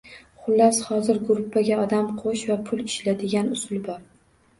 Xullas, hozir «Gruppaga odam qo‘sh va pul ishla» degan usul bor